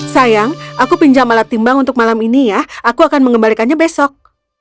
sayang aku pinjam alat timbang untuk malam ini ya aku akan mengembalikannya besok